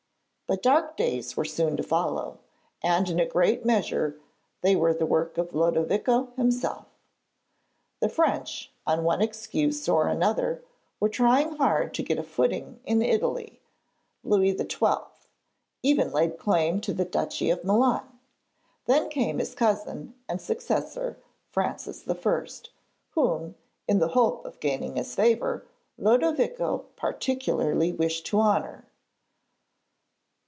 But dark days were soon to follow, and in a great measure they were the work of Lodovico himself. The French, on one excuse or another, were trying hard to get a footing in Italy; Louis XII. even laid claim to the Duchy of Milan. Then came his cousin and successor Francis I., whom (in the hope of gaining his favour) Lodovico particularly wished to honour.